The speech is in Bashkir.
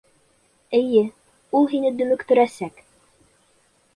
Эйе, ул һине дөмөктөрәсәк.